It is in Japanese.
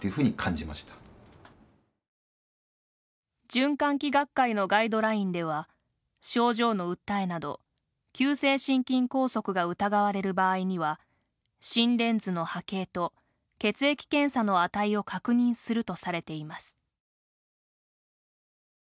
循環器学会のガイドラインでは症状の訴えなど急性心筋梗塞が疑われる場合には心電図の波形と血液検査の値を確認するとされています。